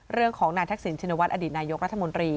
เรื่องของนาธรรพ์สินชริณวัฏอดีตนายกราธมนตรี